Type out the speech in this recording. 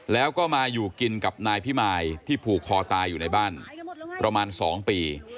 แล้วก็มาอยู่กินกับนายพิมายที่ผูกคอตายอยู่ในบ้านประมาณ๒ปี